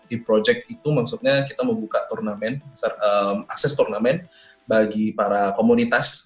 e project itu maksudnya kita membuka akses turnamen bagi para komunitas